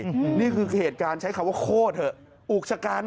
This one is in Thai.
นี่คือเหตุการณ์ใช้คำว่าโคตรเถอะอุกชะกัน